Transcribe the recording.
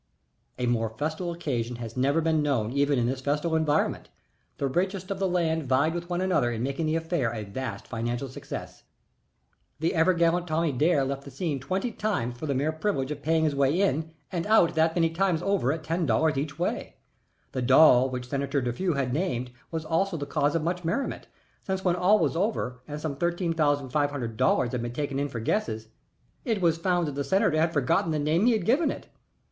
A more festal occasion has never been known even in this festal environment. The richest of the land vied with one another in making the affair a vast financial success. The ever gallant Tommy Dare left the scene twenty times for the mere privilege of paying his way in and out that many times over at ten dollars each way. The doll which Senator Defew had named was also the cause of much merriment, since when all was over and some thirteen thousand five hundred dollars had been taken in for guesses, it was found that the senator had forgotten the name he had given it.